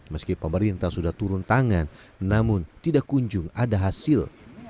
meski pemerintah sudah turun tangan namun tidak kunjung ada hasil